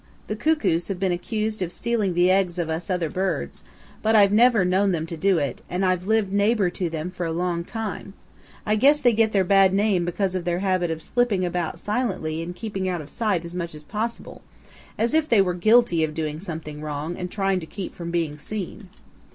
The Cuckoos have been accused of stealing the eggs of us other birds, but I've never known them to do it and I've lived neighbor to them for a long time, I guess they get their bad name because of their habit of slipping about silently and keeping out of sight as much as possible, as if they were guilty of doing something wrong and trying to keep from being seen.